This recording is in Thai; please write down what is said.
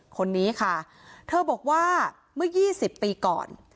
คนนี้ค่ะเธอบอกว่าเมื่อ๒๐ปีก่อน